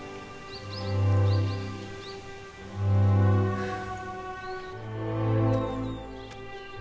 はあ。